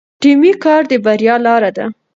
ټیمي کار د بریا لاره ده.